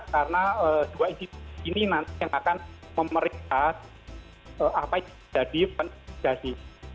karena dua individu ini nanti yang akan memeriksa apa itu menjadi penerbitasi